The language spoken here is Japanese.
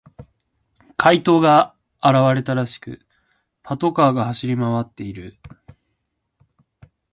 怪盗が現れたらしく、パトカーが走り回っている。